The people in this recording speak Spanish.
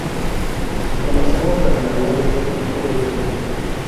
Desconocemos la finalidad de este tipo de rituales.